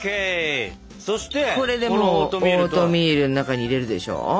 これでもうオートミールの中に入れるでしょ。